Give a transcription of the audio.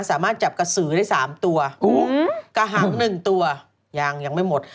สามารถจับกระสือได้๓ตัวกระหังหนึ่งตัวยังยังไม่หมด